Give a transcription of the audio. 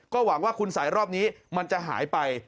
หวังว่าคุณสัยรอบนี้มันจะหายไป